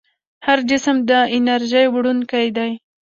هر جسم د انرژۍ وړونکی دی.